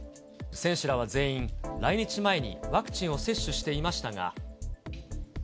選手らは全員、来日前にワクチンを接種していましたが。